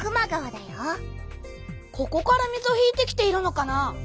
ここから水を引いてきているのかな？